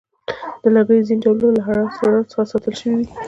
د لرګیو ځینې ډولونه له حشراتو څخه ساتل شوي وي.